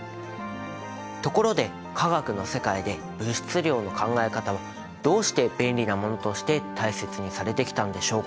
ところで化学の世界で「物質量」の考え方はどうして便利なものとして大切にされてきたんでしょうか。